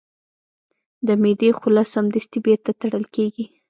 د معدې خوله سمدستي بیرته تړل کېږي.